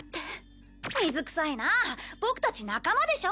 水臭いなあボクたち仲間でしょ？